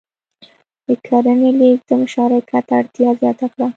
د کرنې لېږد د مشارکت اړتیا زیاته کړه.